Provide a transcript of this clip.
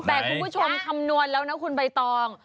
แต่คุณผู้ชมคำนวณแล้วนะคุณใบตอง